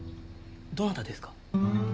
どなたですか？